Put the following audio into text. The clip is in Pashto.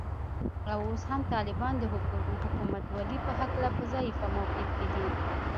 او اوس هم طالبان د حکومتولې په هکله په ضعیفه موقف کې دي